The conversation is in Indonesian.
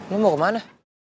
lo mau kemana